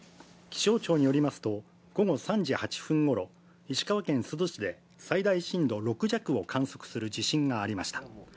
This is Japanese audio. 気象庁によりますと、午後３時８分ごろ、石川県珠洲市で最大震度６弱を観測する地震がありました。